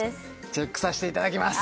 チェックさせていただきます！